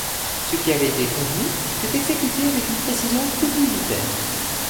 Ce qui avait été convenu fut exécuté avec une précision toute militaire.